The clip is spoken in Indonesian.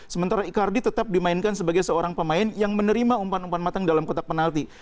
sementara icardi tetap dimainkan sebagai seorang pemain yang menerima umpan umpan matang dalam kotak penalti